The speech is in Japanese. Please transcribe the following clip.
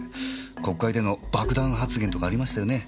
国会での爆弾発言とかありましたよね。